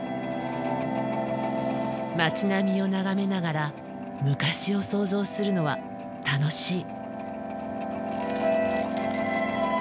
街並みを眺めながら昔を想像するのは楽しい。